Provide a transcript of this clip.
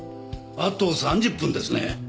あと３０分ですね。